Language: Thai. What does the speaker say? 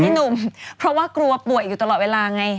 พี่หนุ่มเพราะกลัวป่วยตลอดเวลาไง